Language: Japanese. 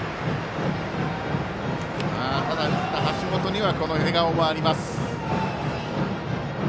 ただ、打った橋本には笑顔もあります。